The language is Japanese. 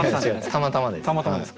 たまたまです。